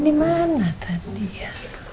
di mana tadi ya